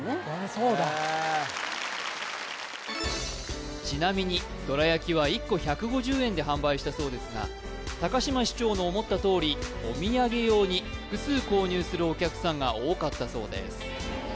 そうだちなみにどら焼きは１個１５０円で販売したそうですが高島市長の思ったとおりお土産用に複数購入するお客さんが多かったそうです